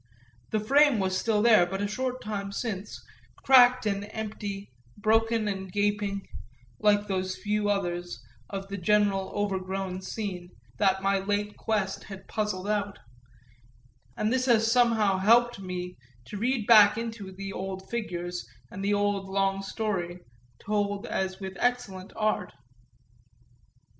The frame was still there but a short time since, cracked and empty, broken and gaping, like those few others, of the general overgrown scene, that my late quest had puzzled out; and this has somehow helped me to read back into it the old figures and the old long story, told as with excellent art.